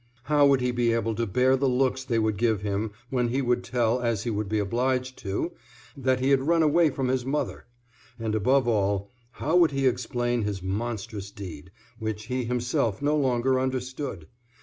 How would he be able to bear the looks they would give him when he would tell, as he would be obliged to, that he had run away from his mother? And, above all, how would he explain his monstrous deed, which he himself no longer understood?